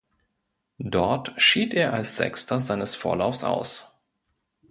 Dort schied er als Sechster seines Vorlaufs aus.